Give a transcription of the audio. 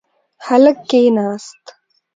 هلک کښېناست.